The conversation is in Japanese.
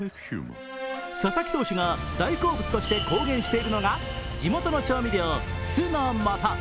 佐々木投手が大好物として公言しているのが地元の調味料・酢の素。